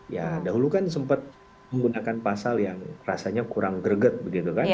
ya dahulu kan sempat menggunakan pasal yang rasanya kurang greget begitu kan